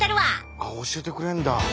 あっ教えてくれるんだ。